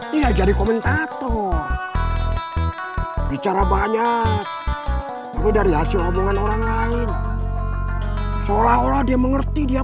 tidak jadi komentator bicara banyak tapi dari hasil omongan orang lain seolah olah dia mengerti dia